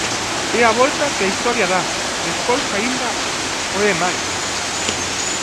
E a volta que a historia dá despois aínda o é máis.